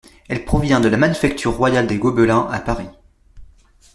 Elle provient de la Manufacture royale des Gobelins, à Paris.